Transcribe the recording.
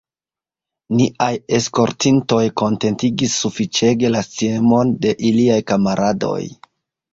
Niaj eskortintoj kontentigis sufiĉege la sciemon de iliaj kamaradoj.